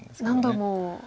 何度も。